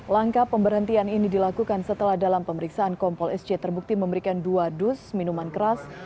langkah pemberhentian ini dilakukan setelah dalam pemeriksaan kompol sc terbukti memberikan dua dus minuman keras